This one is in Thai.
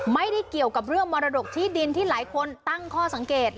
ไม่ได้เกี่ยวกับเรื่องมรดกที่ดินที่หลายคนตั้งข้อสังเกต